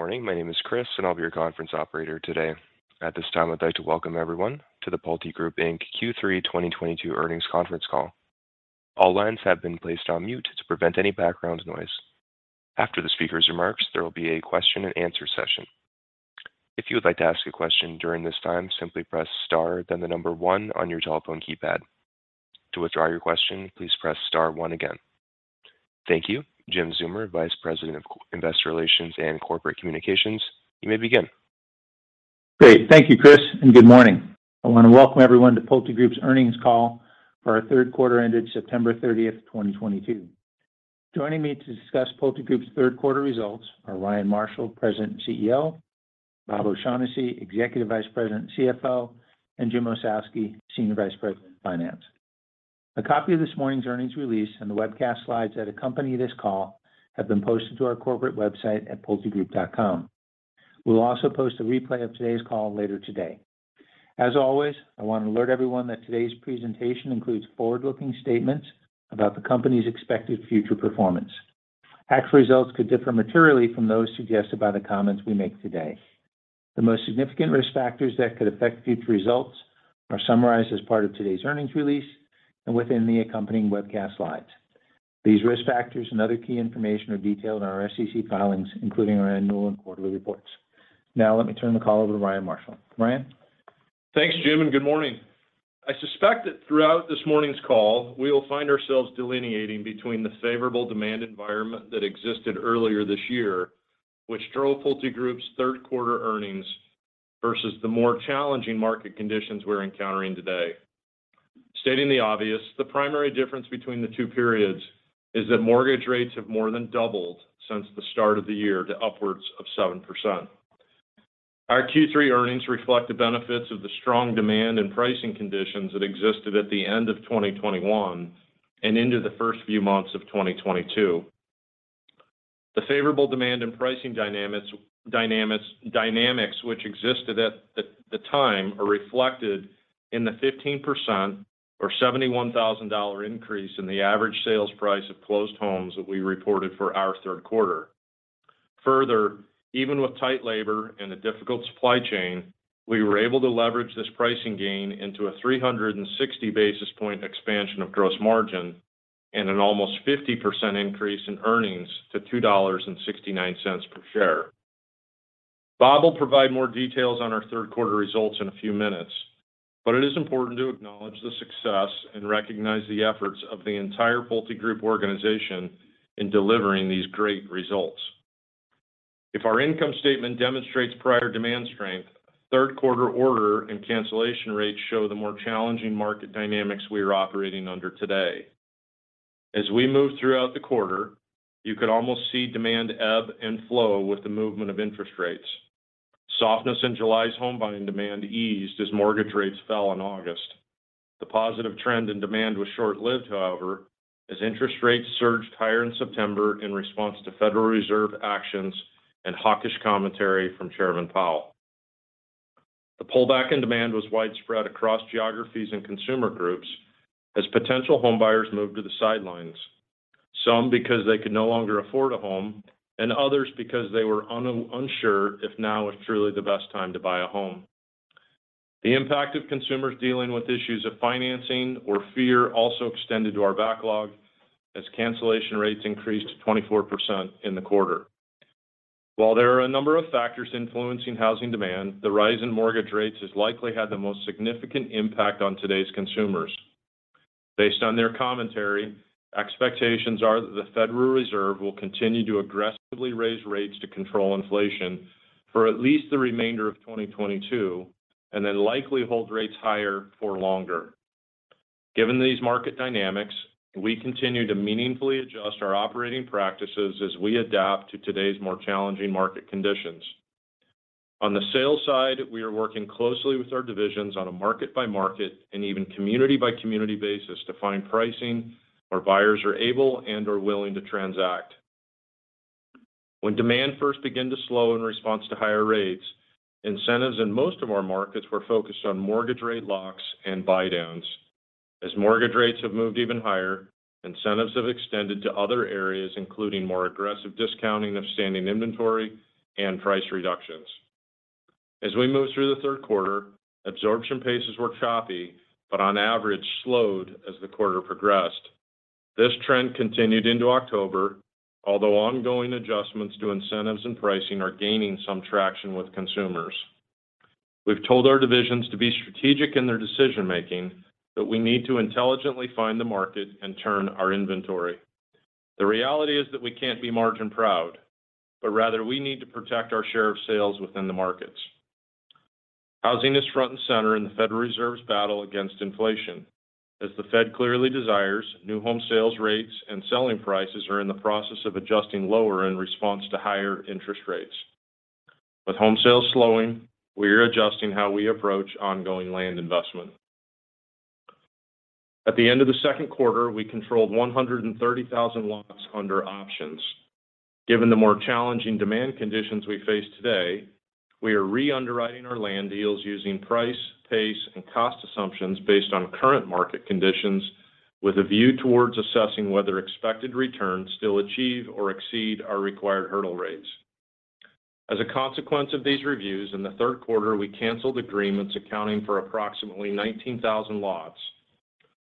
Good morning. My name is Chris, and I'll be your conference operator today. At this time, I'd like to welcome everyone to the PulteGroup, Inc. Q3 2022 Earnings Conference Call. All lines have been placed on mute to prevent any background noise. After the speaker's remarks, there will be a question-and-answer session. If you would like to ask a question during this time, simply press star then the number one on your telephone keypad. To withdraw your question, please press star one again. Thank you. Jim Zeumer, Vice President of Investor Relations and Corporate Communications, you may begin. Great. Thank you, Chris, and good morning. I want to welcome everyone to PulteGroup's Earnings Call for our third quarter ended September 30, 2022. Joining me to discuss PulteGroup's third quarter results are Ryan Marshall, President and CEO, Bob O'Shaughnessy, Executive Vice President and CFO, and Jim Ossowski, Senior Vice President of Finance. A copy of this morning's earnings release and the webcast slides that accompany this call have been posted to our corporate website at pultegroup.com. We'll also post a replay of today's call later today. As always, I want to alert everyone that today's presentation includes forward-looking statements about the company's expected future performance. Actual results could differ materially from those suggested by the comments we make today. The most significant risk factors that could affect future results are summarized as part of today's earnings release and within the accompanying webcast slides. These risk factors and other key information are detailed in our SEC filings, including our annual and quarterly reports. Now, let me turn the call over to Ryan Marshall. Ryan. Thanks, Jim, and good morning. I suspect that throughout this morning's call we will find ourselves delineating between the favorable demand environment that existed earlier this year, which drove PulteGroup's third quarter earnings versus the more challenging market conditions we're encountering today. Stating the obvious, the primary difference between the two periods is that mortgage rates have more than doubled since the start of the year to upwards of 7%. Our Q3 earnings reflect the benefits of the strong demand and pricing conditions that existed at the end of 2021 and into the first few months of 2022. The favorable demand and pricing dynamics which existed at the time are reflected in the 15% or $71,000 increase in the average sales price of closed homes that we reported for our third quarter. Further, even with tight labor and a difficult supply chain, we were able to leverage this pricing gain into a 360 basis point expansion of gross margin and an almost 50% increase in earnings to $2.69 per share. Bob will provide more details on our third quarter results in a few minutes, but it is important to acknowledge the success and recognize the efforts of the entire PulteGroup organization in delivering these great results. If our income statement demonstrates prior demand strength, third quarter order and cancellation rates show the more challenging market dynamics we are operating under today. As we move throughout the quarter, you could almost see demand ebb and flow with the movement of interest rates. Softness in July's home buying demand eased as mortgage rates fell in August. The positive trend in demand was short-lived, however, as interest rates surged higher in September in response to Federal Reserve actions and hawkish commentary from Chairman Powell. The pullback in demand was widespread across geographies and consumer groups as potential homebuyers moved to the sidelines, some because they could no longer afford a home and others because they were unsure if now is truly the best time to buy a home. The impact of consumers dealing with issues of financing or fear also extended to our backlog as cancellation rates increased to 24% in the quarter. While there are a number of factors influencing housing demand, the rise in mortgage rates has likely had the most significant impact on today's consumers. Based on their commentary, expectations are that the Federal Reserve will continue to aggressively raise rates to control inflation for at least the remainder of 2022, and then likely hold rates higher for longer. Given these market dynamics, we continue to meaningfully adjust our operating practices as we adapt to today's more challenging market conditions. On the sales side, we are working closely with our divisions on a market-by-market and even community-by-community basis to find pricing where buyers are able and are willing to transact. When demand first began to slow in response to higher rates, incentives in most of our markets were focused on mortgage rate locks and buydowns. As mortgage rates have moved even higher, incentives have extended to other areas, including more aggressive discounting of standing inventory and price reductions. As we move through the third quarter, absorption paces were choppy, but on average slowed as the quarter progressed. This trend continued into October, although ongoing adjustments to incentives and pricing are gaining some traction with consumers. We've told our divisions to be strategic in their decision-making, that we need to intelligently find the market and turn our inventory. The reality is that we can't be margin-proud, but rather we need to protect our share of sales within the markets. Housing is front and center in the Federal Reserve's battle against inflation. As the Fed clearly desires, new home sales rates and selling prices are in the process of adjusting lower in response to higher interest rates. With home sales slowing, we are adjusting how we approach ongoing land investment. At the end of the second quarter, we controlled 130,000 lots under options. Given the more challenging demand conditions we face today. We are re-underwriting our land deals using price, pace, and cost assumptions based on current market conditions with a view towards assessing whether expected returns still achieve or exceed our required hurdle rates. As a consequence of these reviews, in the third quarter, we canceled agreements accounting for approximately 19,000 lots,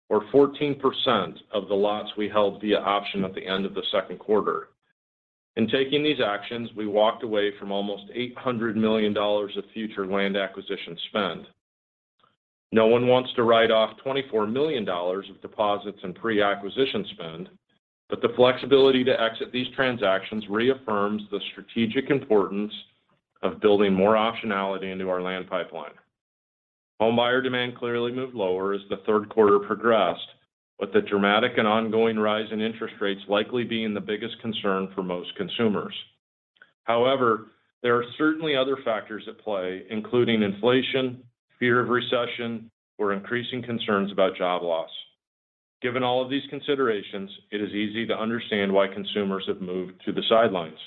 or 14% of the lots we held via option at the end of the second quarter. In taking these actions, we walked away from almost $800 million of future land acquisition spend. No one wants to write off $24 million of deposits and pre-acquisition spend, but the flexibility to exit these transactions reaffirms the strategic importance of building more optionality into our land pipeline. Homebuyer demand clearly moved lower as the third quarter progressed, with the dramatic and ongoing rise in interest rates likely being the biggest concern for most consumers. However, there are certainly other factors at play, including inflation, fear of recession, or increasing concerns about job loss. Given all of these considerations, it is easy to understand why consumers have moved to the sidelines.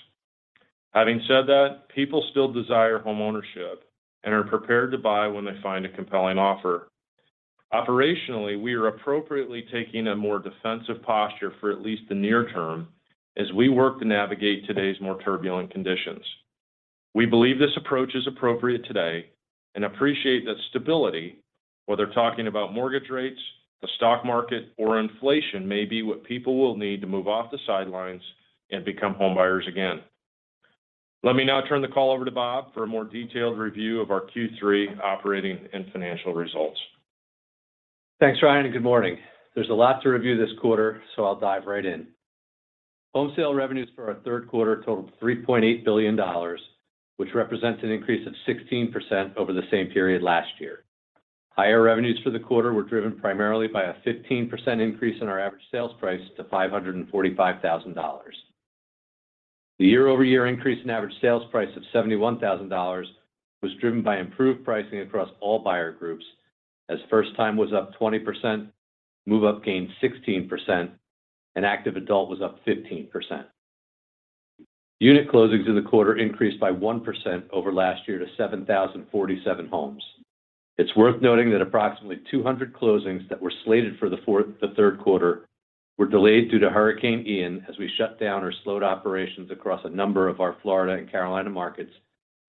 Having said that, people still desire homeownership and are prepared to buy when they find a compelling offer. Operationally, we are appropriately taking a more defensive posture for at least the near term as we work to navigate today's more turbulent conditions. We believe this approach is appropriate today and appreciate that stability, whether talking about mortgage rates, the stock market, or inflation may be what people will need to move off the sidelines and become homebuyers again. Let me now turn the call over to Bob for a more detailed review of our Q3 operating and financial results. Thanks, Ryan, and good morning. There's a lot to review this quarter, so I'll dive right in. Home sale revenues for our third quarter totaled $3.8 billion, which represents an increase of 16% over the same period last year. Higher revenues for the quarter were driven primarily by a 15% increase in our average sales price to $545,000. The year-over-year increase in average sales price of $71,000 was driven by improved pricing across all buyer groups, as first time was up 20%, move-up gained 16%, and active adult was up 15%. Unit closings in the quarter increased by 1% over last year to 7,047 homes. It's worth noting that approximately 200 closings that were slated for the third quarter were delayed due to Hurricane Ian as we shut down or slowed operations across a number of our Florida and Carolina markets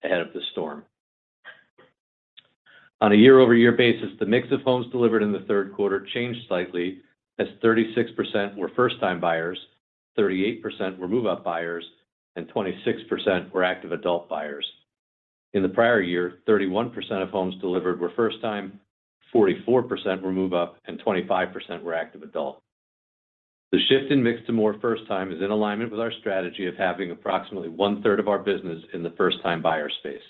ahead of the storm. On a year-over-year basis, the mix of homes delivered in the third quarter changed slightly as 36% were first-time buyers, 38% were move-up buyers, and 26% were active adult buyers. In the prior year, 31% of homes delivered were first-time, 44% were move-up, and 25% were active adult. The shift in mix to more first-time is in alignment with our strategy of having approximately one-third of our business in the first-time buyer space.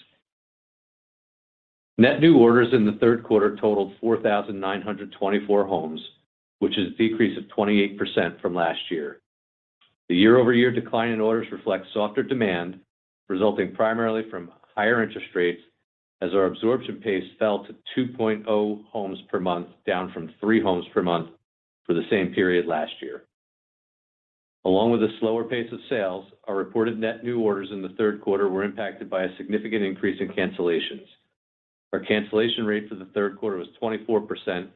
Net new orders in the third quarter totaled 4,924 homes, which is a decrease of 28% from last year. The year-over-year decline in orders reflects softer demand, resulting primarily from higher interest rates as our absorption pace fell to 2.0 homes per month, down from three homes per month for the same period last year. Along with a slower pace of sales, our reported net new orders in the third quarter were impacted by a significant increase in cancellations. Our cancellation rate for the third quarter was 24%,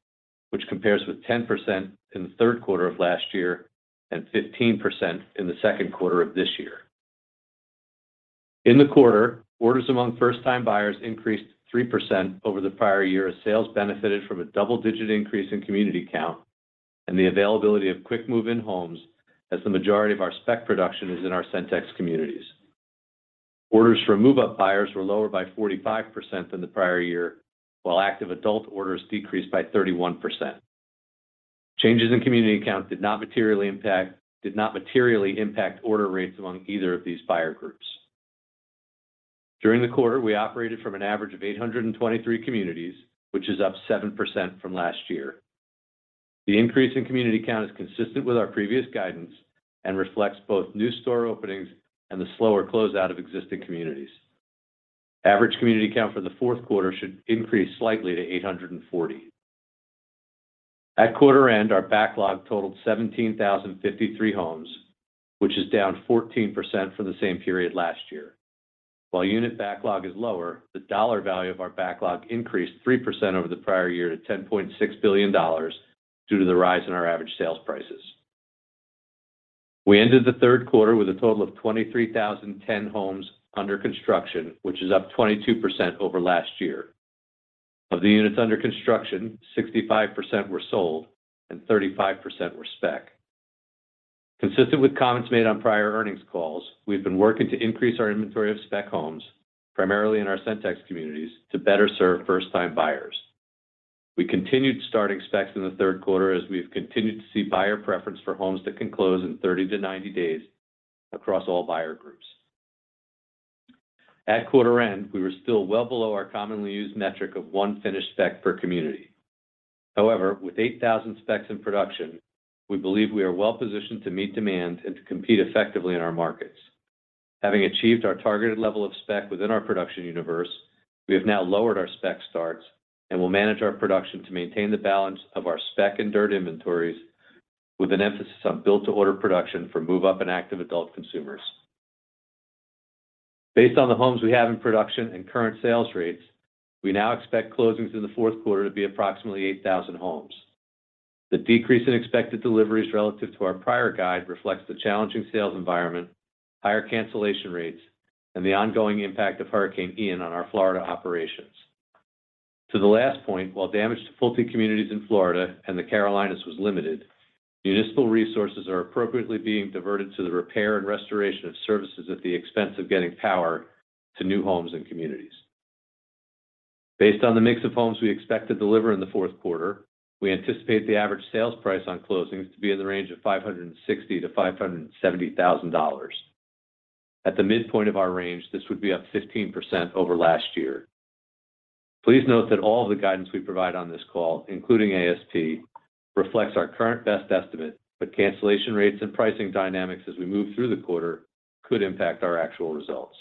which compares with 10% in the third quarter of last year and 15% in the second quarter of this year. In the quarter, orders among first-time buyers increased 3% over the prior year as sales benefited from a double-digit increase in community count and the availability of quick move-in homes as the majority of our spec production is in our Centex communities. Orders from move-up buyers were lower by 45% than the prior year, while active adult orders decreased by 31%. Changes in community count did not materially impact order rates among either of these buyer groups. During the quarter, we operated from an average of 823 communities, which is up 7% from last year. The increase in community count is consistent with our previous guidance and reflects both new store openings and the slower closeout of existing communities. Average community count for the fourth quarter should increase slightly to 840. At quarter end, our backlog totaled 17,053 homes, which is down 14% from the same period last year. While unit backlog is lower, the dollar value of our backlog increased 3% over the prior year to $10.6 billion due to the rise in our average sales prices. We ended the third quarter with a total of 23,010 homes under construction, which is up 22% over last year. Of the units under construction, 65% were sold and 35% were spec. Consistent with comments made on prior earnings calls, we've been working to increase our inventory of spec homes, primarily in our Centex communities, to better serve first-time buyers. We continued starting specs in the third quarter as we've continued to see buyer preference for homes that can close in 30 to 90 days across all buyer groups. At quarter end, we were still well below our commonly used metric of one finished spec per community. However, with 8,000 specs in production, we believe we are well-positioned to meet demand and to compete effectively in our markets. Having achieved our targeted level of spec within our production universe, we have now lowered our spec starts and will manage our production to maintain the balance of our spec and dirt inventories. With an emphasis on build-to-order production for move-up and active adult consumers. Based on the homes we have in production and current sales rates, we now expect closings in the fourth quarter to be approximately 8,000 homes. The decrease in expected deliveries relative to our prior guide reflects the challenging sales environment, higher cancellation rates, and the ongoing impact of Hurricane Ian on our Florida operations. To the last point, while damage to Pulte communities in Florida and the Carolinas was limited, municipal resources are appropriately being diverted to the repair and restoration of services at the expense of getting power to new homes and communities. Based on the mix of homes we expect to deliver in the fourth quarter, we anticipate the average sales price on closings to be in the range of $560,000-$570,000. At the midpoint of our range, this would be up 15% over last year. Please note that all the guidance we provide on this call, including ASP, reflects our current best estimate, but cancellation rates and pricing dynamics as we move through the quarter could impact our actual results.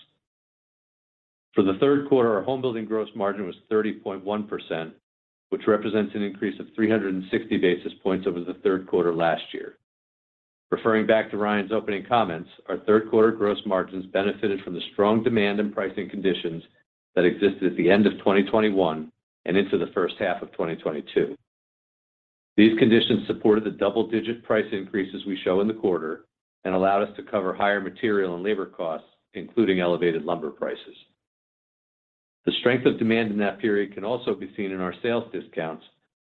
For the third quarter, our home building gross margin was 30.1%, which represents an increase of 360 basis points over the third quarter last year. Referring back to Ryan's opening comments, our third quarter gross margins benefited from the strong demand and pricing conditions that existed at the end of 2021 and into the first half of 2022. These conditions supported the double-digit price increases we show in the quarter and allowed us to cover higher material and labor costs, including elevated lumber prices. The strength of demand in that period can also be seen in our sales discounts,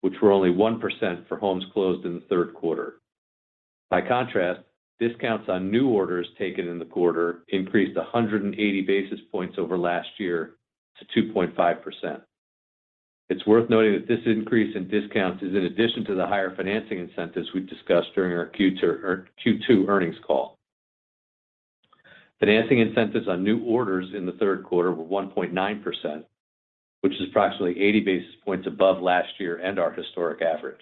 which were only 1% for homes closed in the third quarter. By contrast, discounts on new orders taken in the quarter increased 180 basis points over last year to 2.5%. It's worth noting that this increase in discounts is in addition to the higher financing incentives we've discussed during our Q2, or Q2 earnings call. Financing incentives on new orders in the third quarter were 1.9%, which is approximately 80 basis points above last year and our historic average.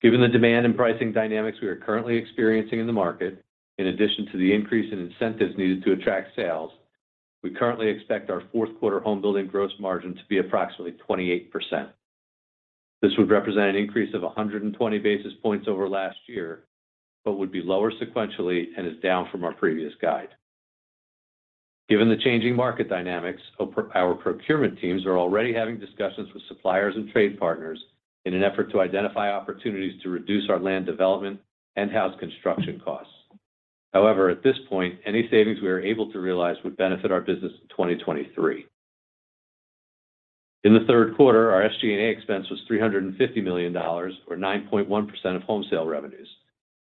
Given the demand and pricing dynamics we are currently experiencing in the market, in addition to the increase in incentives needed to attract sales, we currently expect our fourth quarter home building gross margin to be approximately 28%. This would represent an increase of 120 basis points over last year, but would be lower sequentially and is down from our previous guide. Given the changing market dynamics, our procurement teams are already having discussions with suppliers and trade partners in an effort to identify opportunities to reduce our land development and house construction costs. However, at this point, any savings we are able to realize would benefit our business in 2023. In the third quarter, our SG&A expense was $350 million, or 9.1% of home sale revenues.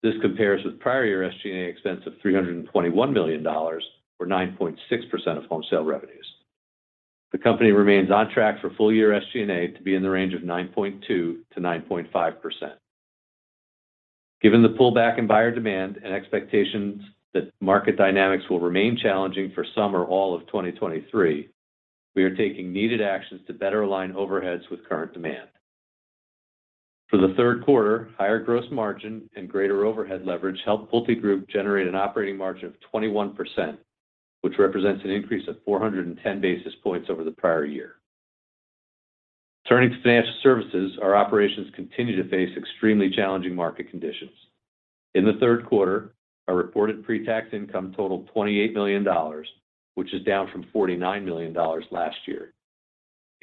This compares with prior year SG&A expense of $321 million, or 9.6% of home sale revenues. The company remains on track for full-year SG&A to be in the range of 9.2%-9.5%. Given the pullback in buyer demand and expectations that market dynamics will remain challenging for some or all of 2023, we are taking needed actions to better align overheads with current demand. For the third quarter, higher gross margin and greater overhead leverage helped PulteGroup generate an operating margin of 21%, which represents an increase of 410 basis points over the prior year. Turning to financial services, our operations continue to face extremely challenging market conditions. In the third quarter, our reported pre-tax income totaled $28 million, which is down from $49 million last year.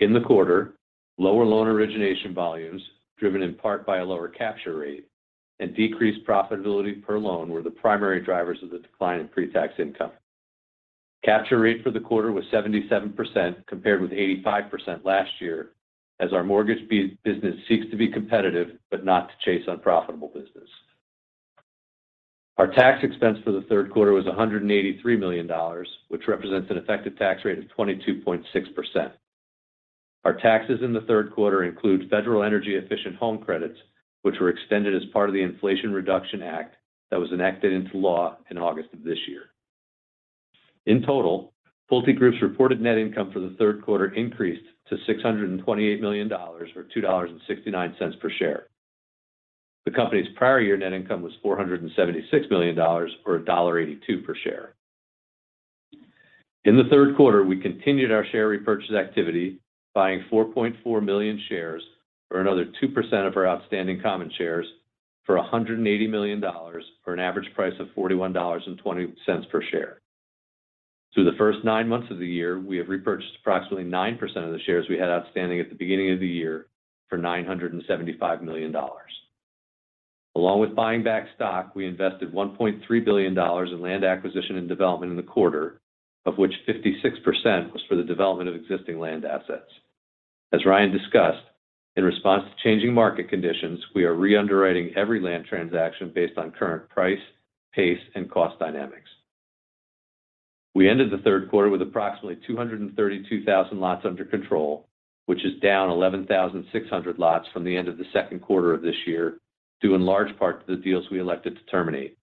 In the quarter, lower loan origination volumes, driven in part by a lower capture rate, and decreased profitability per loan were the primary drivers of the decline in pre-tax income. Capture rate for the quarter was 77% compared with 85% last year, as our mortgage business seeks to be competitive but not to chase unprofitable business. Our tax expense for the third quarter was $183 million, which represents an effective tax rate of 22.6%. Our taxes in the third quarter include federal energy-efficient home credits, which were extended as part of the Inflation Reduction Act that was enacted into law in August of this year. In total, PulteGroup's reported net income for the third quarter increased to $628 million, or $2.69 per share. The company's prior year net income was $476 million, or $1.82 per share. In the third quarter, we continued our share repurchase activity, buying 4.4 million shares, or another 2% of our outstanding common shares, for $180 million, for an average price of $41.20 per share. Through the first nine months of the year, we have repurchased approximately 9% of the shares we had outstanding at the beginning of the year for $975 million. Along with buying back stock, we invested $1.3 billion in land acquisition and development in the quarter, of which 56% was for the development of existing land assets. As Ryan discussed, in response to changing market conditions, we are re-underwriting every land transaction based on current price, pace, and cost dynamics. We ended the third quarter with approximately 232,000 lots under control, which is down 11,600 lots from the end of the second quarter of this year, due in large part to the deals we elected to terminate.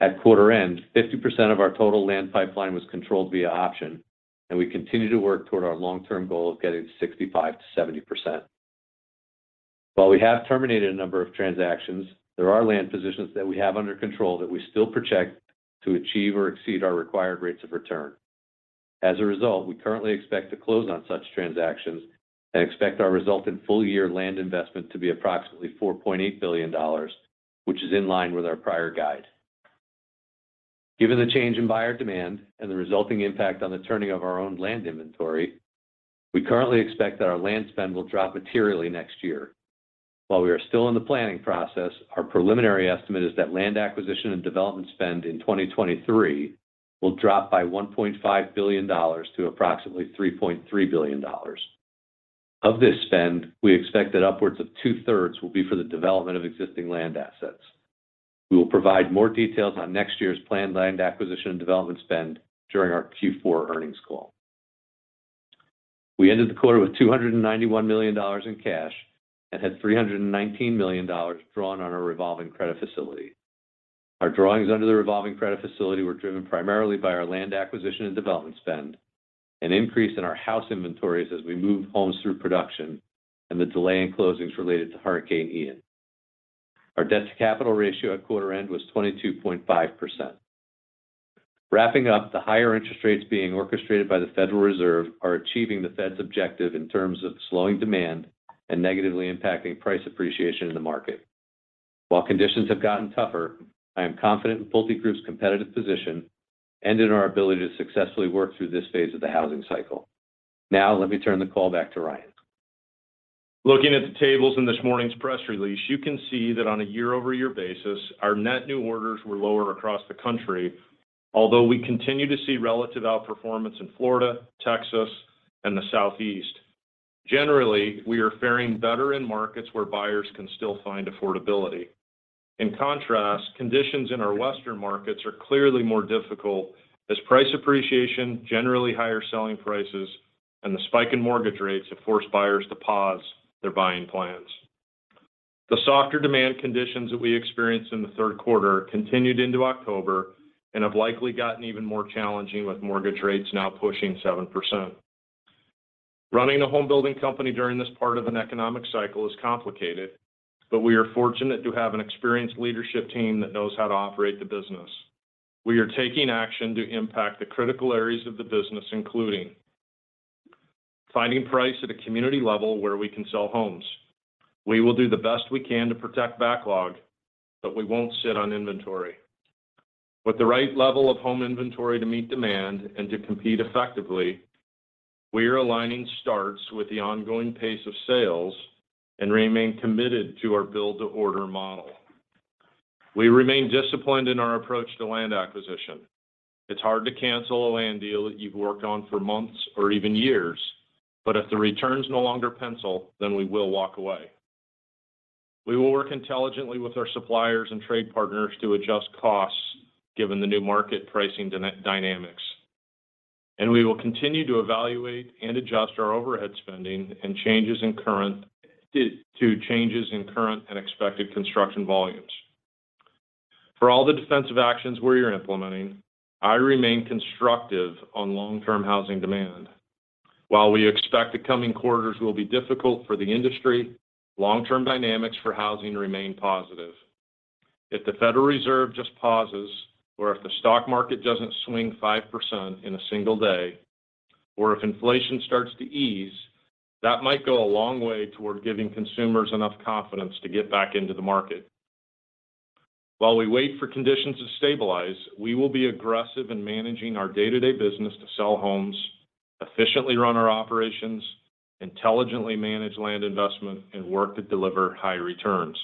At quarter end, 50% of our total land pipeline was controlled via option, and we continue to work toward our long-term goal of getting 65%-70%. While we have terminated a number of transactions, there are land positions that we have under control that we still project to achieve or exceed our required rates of return. As a result, we currently expect to close on such transactions and expect full-year land investment to be approximately $4.8 billion, which is in line with our prior guide. Given the change in buyer demand and the resulting impact on the turning of our own land inventory, we currently expect that our land spend will drop materially next year. While we are still in the planning process, our preliminary estimate is that land acquisition and development spend in 2023 will drop by $1.5 billion to approximately $3.3 billion. Of this spend, we expect that upwards of two-thirds will be for the development of existing land assets. We will provide more details on next year's planned land acquisition and development spend during our Q4 earnings call. We ended the quarter with $291 million in cash and had $319 million drawn on our revolving credit facility. Our drawings under the revolving credit facility were driven primarily by our land acquisition and development spend, an increase in our house inventories as we moved homes through production, and the delay in closings related to Hurricane Ian. Our debt-to-capital ratio at quarter end was 22.5%. Wrapping up, the higher interest rates being orchestrated by the Federal Reserve are achieving the Fed's objective in terms of slowing demand and negatively impacting price appreciation in the market. While conditions have gotten tougher, I am confident in PulteGroup's competitive position and in our ability to successfully work through this phase of the housing cycle. Now, let me turn the call back to Ryan. Looking at the tables in this morning's press release, you can see that on a year-over-year basis, our net new orders were lower across the country, although we continue to see relative outperformance in Florida, Texas, and the Southeast. Generally, we are faring better in markets where buyers can still find affordability. In contrast, conditions in our Western markets are clearly more difficult as price appreciation, generally higher selling prices, and the spike in mortgage rates have forced buyers to pause their buying plans. The softer demand conditions that we experienced in the third quarter continued into October and have likely gotten even more challenging with mortgage rates now pushing 7%. Running a home-building company during this part of an economic cycle is complicated, but we are fortunate to have an experienced leadership team that knows how to operate the business. We are taking action to impact the critical areas of the business, including finding price at a community level where we can sell homes. We will do the best we can to protect backlog, but we won't sit on inventory. With the right level of home inventory to meet demand and to compete effectively, we are aligning starts with the ongoing pace of sales and remain committed to our build-to-order model. We remain disciplined in our approach to land acquisition. It's hard to cancel a land deal that you've worked on for months or even years, but if the returns no longer pencil, then we will walk away. We will work intelligently with our suppliers and trade partners to adjust costs given the new market pricing dynamics, and we will continue to evaluate and adjust our overhead spending due to changes in current and expected construction volumes. For all the defensive actions we are implementing, I remain constructive on long-term housing demand. While we expect the coming quarters will be difficult for the industry, long-term dynamics for housing remain positive. If the Federal Reserve just pauses, or if the stock market doesn't swing 5% in a single day, or if inflation starts to ease, that might go a long way toward giving consumers enough confidence to get back into the market. While we wait for conditions to stabilize, we will be aggressive in managing our day-to-day business to sell homes, efficiently run our operations, intelligently manage land investment, and work to deliver high returns.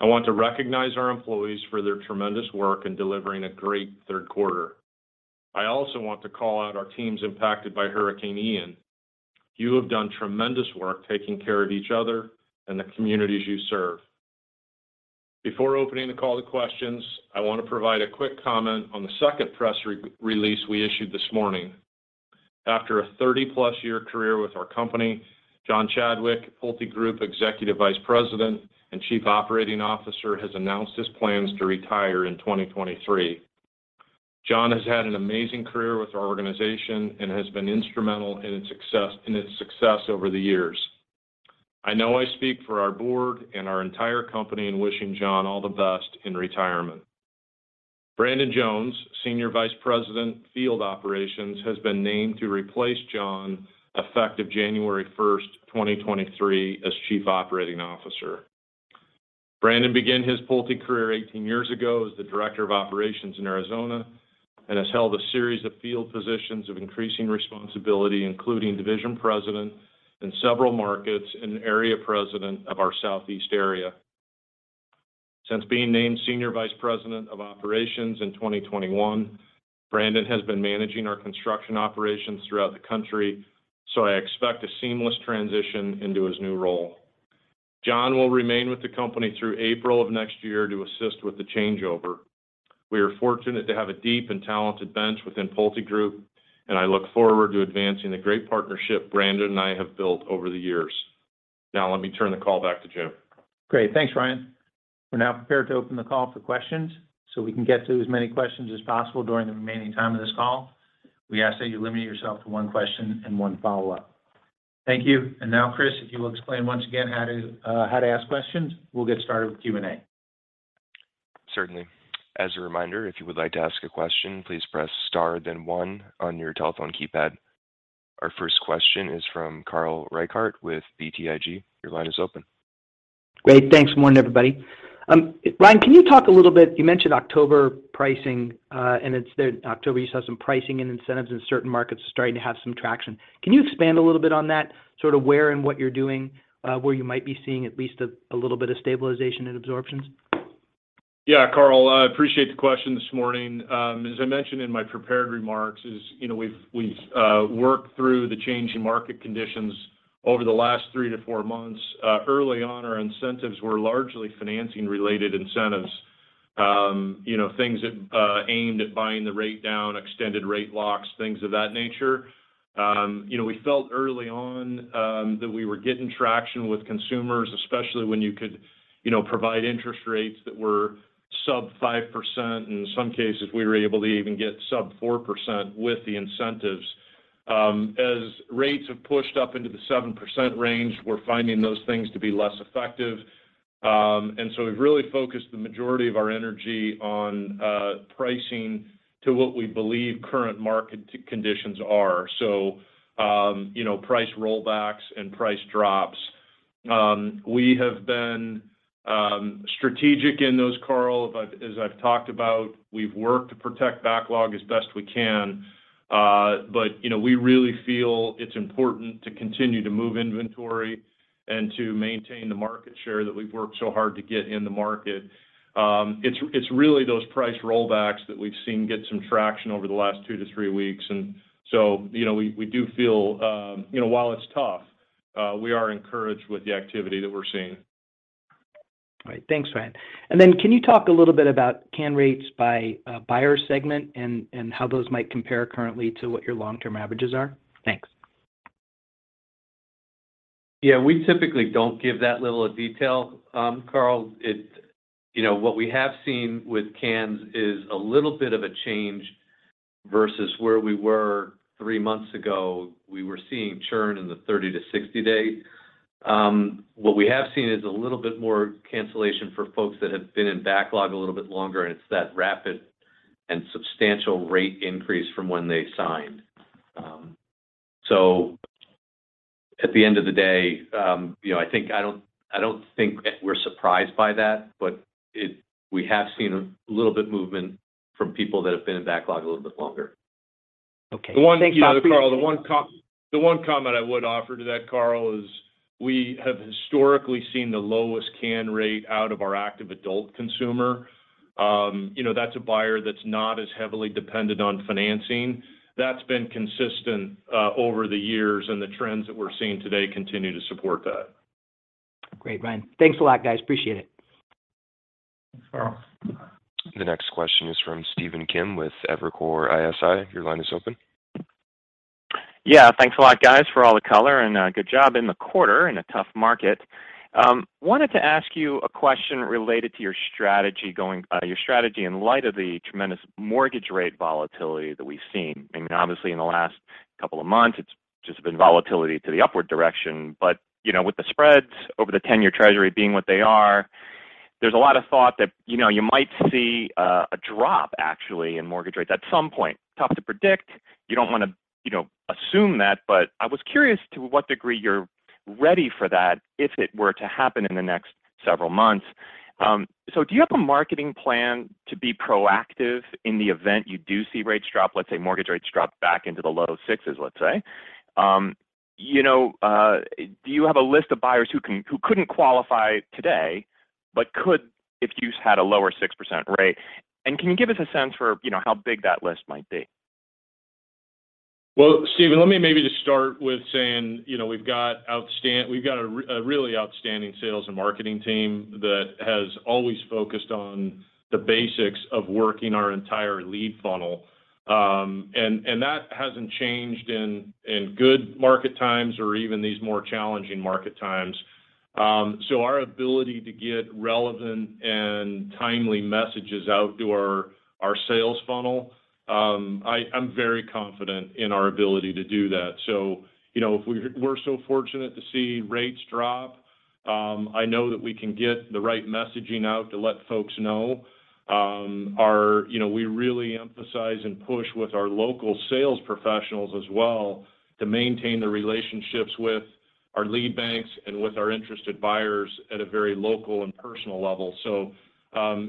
I want to recognize our employees for their tremendous work in delivering a great third quarter. I also want to call out our teams impacted by Hurricane Ian. You have done tremendous work taking care of each other and the communities you serve. Before opening the call to questions, I want to provide a quick comment on the second press release we issued this morning. After a 30-plus year career with our company, John Chadwick, PulteGroup Executive Vice President and Chief Operating Officer, has announced his plans to retire in 2023. John has had an amazing career with our organization and has been instrumental in its success over the years. I know I speak for our board and our entire company in wishing John all the best in retirement. Brandon Jones, Senior Vice President, Field Operations, has been named to replace John effective January 1, 2023, as Chief Operating Officer. Brandon began his Pulte career 18 years ago as the Director of Operations in Arizona and has held a series of field positions of increasing responsibility, including Division President in several markets and Area President of our Southeast area. Since being named Senior Vice President of Operations in 2021, Brandon has been managing our construction operations throughout the country, so I expect a seamless transition into his new role. John will remain with the company through April of next year to assist with the changeover. We are fortunate to have a deep and talented bench within PulteGroup, and I look forward to advancing the great partnership Brandon and I have built over the years. Now let me turn the call back to Jim. Great. Thanks, Ryan. We're now prepared to open the call for questions, so we can get to as many questions as possible during the remaining time of this call. We ask that you limit yourself to one question and one follow-up. Thank you. Now, Chris, if you will explain once again how to ask questions, we'll get started with Q&A. Certainly. As a reminder, if you would like to ask a question, please press star then one on your telephone keypad. Our first question is from Carl Reichardt with BTIG. Your line is open. Great. Thanks. Morning, everybody. Ryan, can you talk a little bit. You mentioned October pricing, and in the October you saw some pricing and incentives in certain markets starting to have some traction. Can you expand a little bit on that? Sort of where and what you're doing, where you might be seeing at least a little bit of stabilization and absorption? Yeah. Carl, I appreciate the question this morning. As I mentioned in my prepared remarks, you know, we've worked through the change in market conditions over the last three to four months. Early on our incentives were largely financing related incentives. You know, things that aimed at buying the rate down, extended rate locks, things of that nature. You know, we felt early on that we were getting traction with consumers, especially when you could, you know, provide interest rates that were sub-5%. In some cases, we were able to even get sub-4% with the incentives. As rates have pushed up into the 7% range, we're finding those things to be less effective. We've really focused the majority of our energy on pricing to what we believe current market conditions are. You know, price rollbacks and price drops. We have been strategic in those, Carl. As I've talked about, we've worked to protect backlog as best we can. You know, we really feel it's important to continue to move inventory and to maintain the market share that we've worked so hard to get in the market. It's really those price rollbacks that we've seen get some traction over the last two to three weeks. You know, we do feel, you know, while it's tough, we are encouraged with the activity that we're seeing. All right. Thanks, Ryan. Can you talk a little bit about cap rates by buyer segment and how those might compare currently to what your long-term averages are? Thanks. Yeah, we typically don't give that level of detail, Carl. You know, what we have seen with cans is a little bit of a change versus where we were three months ago. We were seeing churn in the 30- to 60-day. What we have seen is a little bit more cancellation for folks that have been in backlog a little bit longer, and it's that rapid and substantial rate increase from when they signed. At the end of the day, you know, I don't think we're surprised by that, but we have seen a little bit movement from people that have been in backlog a little bit longer. Okay. Thanks. You know, Carl, the one comment I would offer to that, Carl, is we have historically seen the lowest cancellation rate out of our active adult consumer. You know, that's a buyer that's not as heavily dependent on financing. That's been consistent over the years, and the trends that we're seeing today continue to support that. Great, Ryan. Thanks a lot, guys. Appreciate it. Thanks, Carl. The next question is from Stephen Kim with Evercore ISI. Your line is open. Yeah. Thanks a lot, guys, for all the color, and good job in the quarter in a tough market. Wanted to ask you a question related to your strategy in light of the tremendous mortgage rate volatility that we've seen. I mean, obviously in the last couple of months, it's just been volatility to the upward direction. You know, with the spreads over the 10-year Treasury being what they are, there's a lot of thought that, you know, you might see a drop actually in mortgage rates at some point. Tough to predict. You don't wanna, you know, assume that, but I was curious to what degree you're ready for that if it were to happen in the next several months. Do you have a marketing plan to be proactive in the event you do see rates drop? Let's say mortgage rates drop back into the low sixes, let's say. You know, do you have a list of buyers who couldn't qualify today but could if you just had a lower 6% rate? Can you give us a sense for, you know, how big that list might be? Well, Stephen, let me maybe just start with saying, you know, we've got a really outstanding sales and marketing team that has always focused on the basics of working our entire lead funnel. That hasn't changed in good market times or even these more challenging market times. Our ability to get relevant and timely messages out to our sales funnel, I'm very confident in our ability to do that. You know, if we're so fortunate to see rates drop, I know that we can get the right messaging out to let folks know. You know, we really emphasize and push with our local sales professionals as well to maintain the relationships with our lead banks and with our interested buyers at a very local and personal level.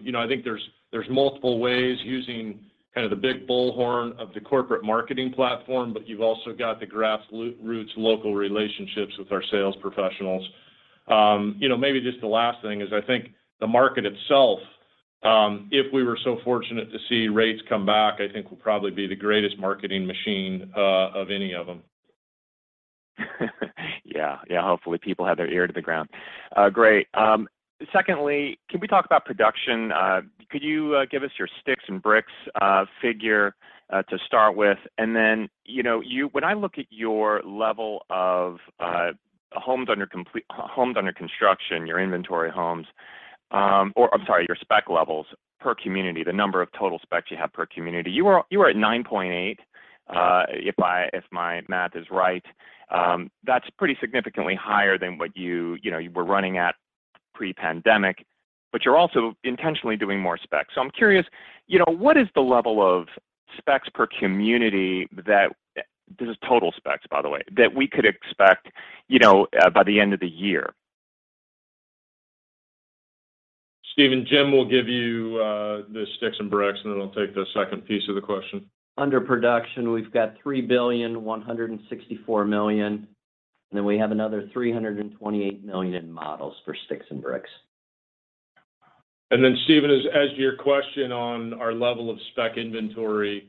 You know, I think there's multiple ways using kind of the big bullhorn of the corporate marketing platform, but you've also got the grassroots local relationships with our sales professionals. You know, maybe just the last thing is I think the market itself, if we were so fortunate to see rates come back, I think will probably be the greatest marketing machine of any of them. Yeah. Yeah. Hopefully people have their ear to the ground. Great. Secondly, can we talk about production? Could you give us your sticks and bricks figure to start with? You know, when I look at your level of homes under construction, your inventory homes, or I'm sorry, your spec levels per community, the number of total specs you have per community. You are at 9.8, if my math is right. That's pretty significantly higher than what you know you were running at pre-pandemic, but you're also intentionally doing more specs. I'm curious, you know, what is the level of specs per community that, this is total specs, by the way, that we could expect, you know, by the end of the year? Stephen, Jim will give you the sticks and bricks, and then I'll take the second piece of the question. Under production, we've got $3.164 billion, and then we have another $328 million in models for sticks and bricks. Then Stephen, as to your question on our level of spec inventory,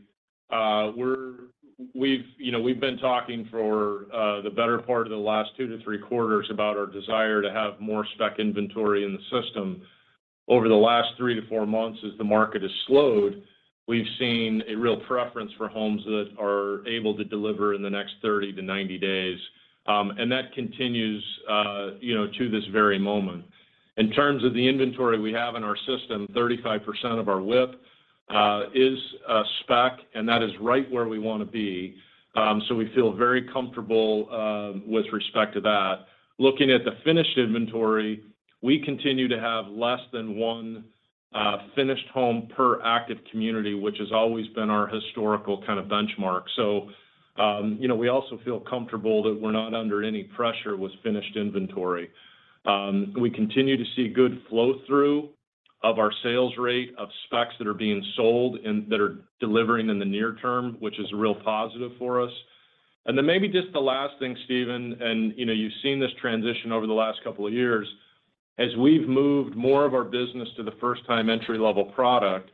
we've, you know, been talking for the better part of the last two to three quarters about our desire to have more spec inventory in the system. Over the last three to four months as the market has slowed, we've seen a real preference for homes that are able to deliver in the next 30 to 90 days. That continues, you know, to this very moment. In terms of the inventory we have in our system, 35% of our WIP is spec, and that is right where we want to be. We feel very comfortable with respect to that. Looking at the finished inventory, we continue to have less than one, finished home per active community, which has always been our historical kind of benchmark. You know, we also feel comfortable that we're not under any pressure with finished inventory. We continue to see good flow-through of our sales rate of specs that are being sold and that are delivering in the near term, which is a real positive for us. Maybe just the last thing, Stephen, and you know, you've seen this transition over the last couple of years. As we've moved more of our business to the first-time entry-level product,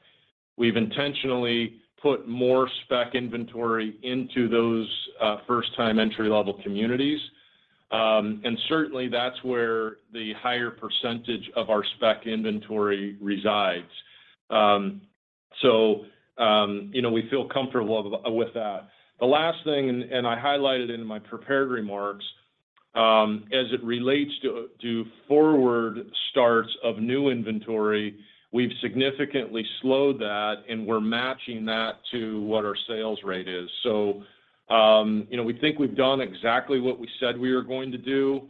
we've intentionally put more spec inventory into those, first-time entry-level communities. And certainly, that's where the higher percentage of our spec inventory resides. You know, we feel comfortable with that. The last thing, and I highlighted in my prepared remarks, as it relates to forward starts of new inventory, we've significantly slowed that, and we're matching that to what our sales rate is. You know, we think we've done exactly what we said we were going to do,